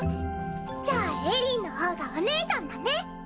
じゃあエリィの方がお姉さんだね。